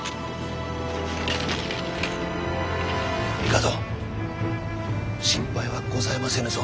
帝心配はございませぬぞ。